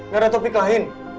gak ada topik lain